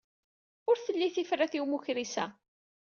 Ur telli tifrat i umukris-a.